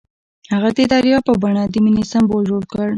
هغه د دریاب په بڼه د مینې سمبول جوړ کړ.